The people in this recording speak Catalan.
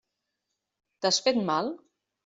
T'has fet mal?